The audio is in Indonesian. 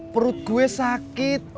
perut gue sakit